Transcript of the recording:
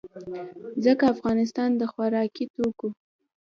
ځکه افغانستان د خوراکي توکو